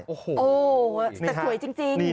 โอ้โหสะเผื่อยจริง